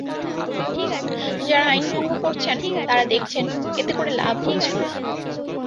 যাঁরা আইন ভঙ্গ করছেন, তাঁরা দেখছেন, এতে করে লাভ হচ্ছে না।